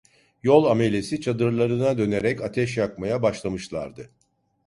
Yol amelesi, çadırlarına dönerek ateş yakmaya başlamışlardı.